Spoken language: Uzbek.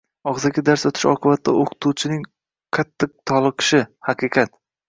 og‘zaki dars o‘tish oqibatida o‘qituvchining qattiq toliqishi – haqiqat.